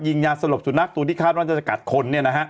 ยาสลบสุนัขตัวที่คาดว่าจะกัดคน